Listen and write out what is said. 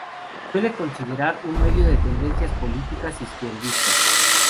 Se suele considerar un medio de tendencias políticas izquierdistas.